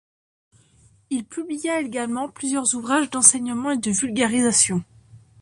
Il publia également plusieurs ouvrages d'enseignement et de vulgarisation.